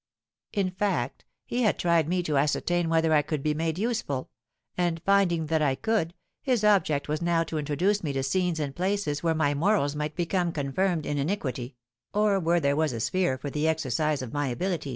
In fact, he had tried me to ascertain whether I could be made useful; and, finding that I could, his object was now to introduce me to scenes and places where my morals might become confirmed in iniquity, or where there was a sphere for the exercise of my abilities.